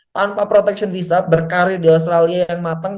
tanpa protection visa berkarir di australia yang mateng